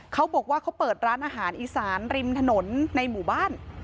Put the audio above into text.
เขาบอกว่าเขาเปิดร้านอาหารอีสานริมถนนในหมู่บ้าน